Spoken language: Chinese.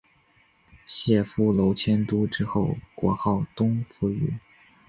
解夫娄迁都之后国号东扶余。